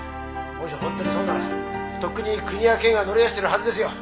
もし本当にそうならとっくに国や県が乗り出してるはずですよ。